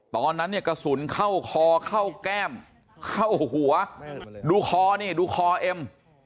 ตอนนั้นเนี่ยกระสุนเข้าคอเข้าแก้มเข้าหัวดูคอนี่ดูคอเอ็ม